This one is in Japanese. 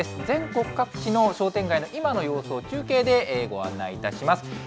全国各地の商店街の今の様子を中継でご案内いたします。